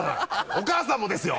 お母さんもですよ！